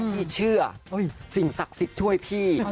พี่เชื่อสิ่งศักดิ์สิทธิ์ช่วยพี่